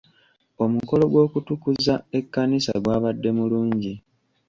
Omukolo gw'okutukuza ekkanisa gwabadde mulungi.